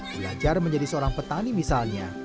belajar menjadi seorang petani misalnya